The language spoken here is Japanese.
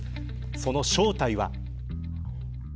その正体は。